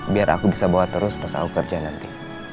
biar aku bisa bawa terus pas aku kerja nanti